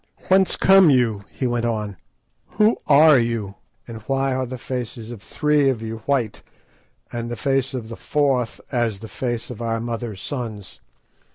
"Whence come you?" he went on, "who are you? and why are the faces of three of you white, and the face of the fourth as the face of our mother's sons?"